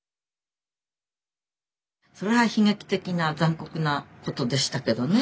それは悲劇的な残酷なことでしたけどね。